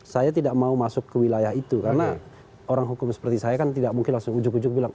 saya tidak mau masuk ke wilayah itu karena orang hukum seperti saya kan tidak mungkin langsung ujug ujug bilang